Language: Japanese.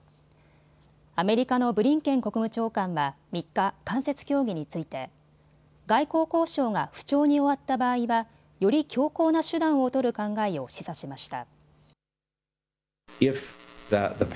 アメリカのブリンケン国務長官は３日、間接協議について外交交渉が不調に終わった場合はより強硬な手段を取る考えを示唆しました。